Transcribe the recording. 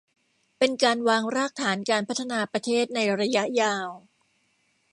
เป็นการวางรากฐานการพัฒนาประเทศในระยะยาว